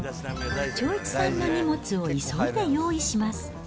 長一さんの荷物を急いで用意します。